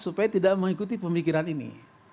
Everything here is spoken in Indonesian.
supaya tidak mengikuti pemikiran ini